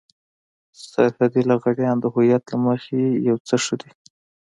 سرحدي لغړيان د هويت له مخې يو څه ښه دي.